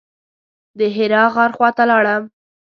د حرا غار خواته لاړم.